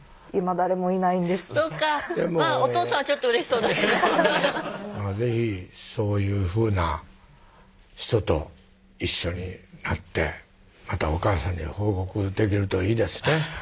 今誰もいないんですそうかまぁお父さんはちょっとうれしそうだけど是非そういうふうな人と一緒になってまたお母さんに報告できるといいですね